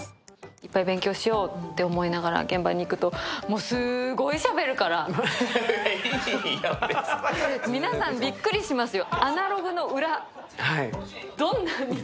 いっぱい勉強しようと思いながら現場に行くと皆さん、びっくりしますよ。